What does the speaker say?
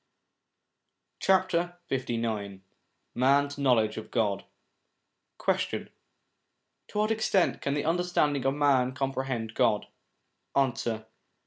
LIX MAN'S KNOWLEDGE OF GOD Question. To what extent can the understanding of man comprehend God ? Answer.